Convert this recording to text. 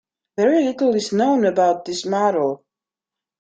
Very little is known about this model.